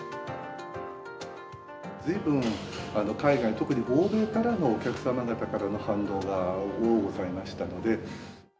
ずいぶん海外、特に欧米からのお客様方からの反応がおおございましたので。